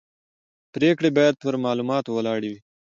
پرېکړې باید پر معلوماتو ولاړې وي